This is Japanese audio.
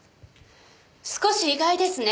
少し意外ですね。